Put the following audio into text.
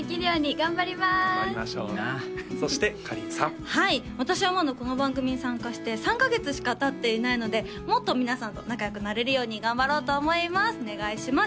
頑張りましょういいなそしてかりんさんはい私はまだこの番組に参加して３カ月しかたっていないのでもっと皆さんと仲良くなれるように頑張ろうと思いますお願いします